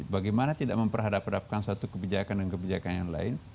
bagaimana tidak memperhadapkan satu kebijakan dan kebijakan yang lain